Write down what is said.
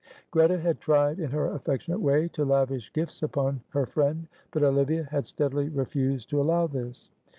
Greta had tried in her affectionate way to lavish gifts upon her friend, but Olivia had steadily refused to allow this.